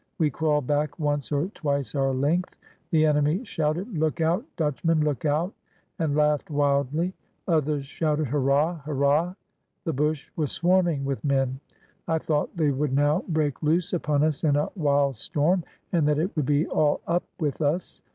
We crawled back once or twice our length. The enemy shouted: "Look out, Dutchman, look out!" and laughed wildly. Others shouted: "Hurrah! hurrah!" The bush was swarming with men. I thought they would now break loose upon us in a wild storm and that it would be all up with us.